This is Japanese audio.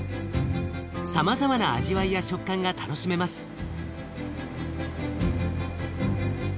さまざまな味わいや食感が楽しめます。